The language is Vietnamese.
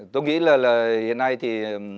tôi nghĩ là hiện nay thì